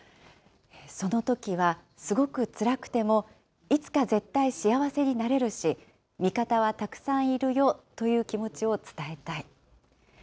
そのときはすごくつらくても、いつか絶対幸せになれるし、味方はたくさんいるよという気持ちを伝えたい。